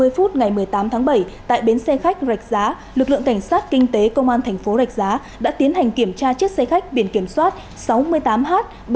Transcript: năm mươi phút ngày một mươi tám tháng bảy tại bến xe khách rạch giá lực lượng cảnh sát kinh tế công an thành phố rạch giá đã tiến hành kiểm tra chiếc xe khách biển kiểm soát sáu mươi tám h bảy nghìn một trăm năm mươi ba